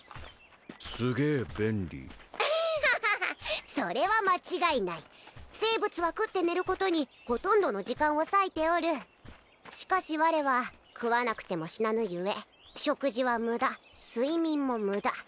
すげえ便利ハッハッハッそれは間違いない生物は食って寝ることにほとんどの時間を割いておるしかし我は食わなくても死なぬゆえ食事はムダ睡眠もムダ